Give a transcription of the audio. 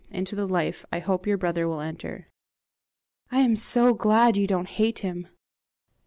Into the life I hope your brother will enter." "I am so glad you don't hate him."